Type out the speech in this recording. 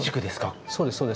そうですそうです。